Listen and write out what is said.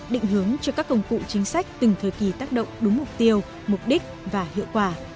định hướng cho các công cụ chính sách từng thời kỳ tác động đúng mục tiêu mục đích và hiệu quả